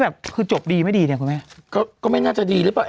แบบคือจบดีไม่ดีเนี่ยคุณแม่ก็ไม่น่าจะดีหรือเปล่า